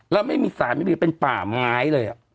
แล้วไม่มีสารไม่มีเป็นป่าไม้เลย